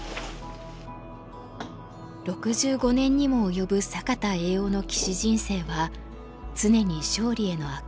６５年にも及ぶ坂田栄男の棋士人生は常に勝利への飽く